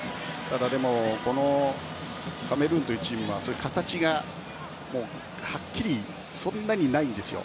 ただ、でもこのカメルーンというチームはそういう形がはっきり、そんなにないんですよ。